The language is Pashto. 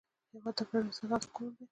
هېواد د ګډو احساساتو کور دی.